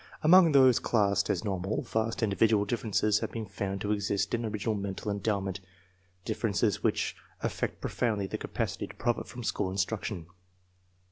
Among those classed as normal, vast individual differences have been found to exist in original mental endowment, differences which affect profoundly the capacity to profit from school in struction.